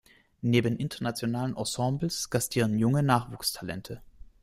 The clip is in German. Neben internationalen Ensembles gastieren junge Nachwuchstalente.